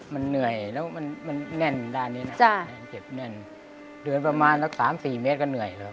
มันเหนื่อยแล้วมันแน่นด้านนี้นะเดือนประมาณสัก๓๔เมตรก็เหนื่อย